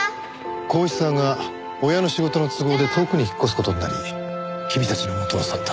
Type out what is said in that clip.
光一さんが親の仕事の都合で遠くに引っ越す事になり君たちの元を去った。